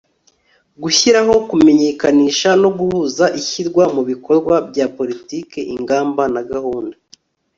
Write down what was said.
gushyiraho, kumenyekanisha no guhuza ishyirwa mu bikorwa rya politiki, ingamba na gahunda